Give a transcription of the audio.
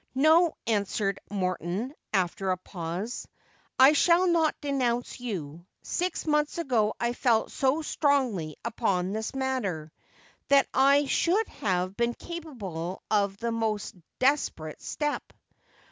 ' No,' answered Morton after a pause, ' I shall not denounce you. Six months ago I felt so strongly upon this matter that I should have been capable of the most desperate step.